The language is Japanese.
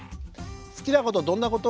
好きなことどんなこと？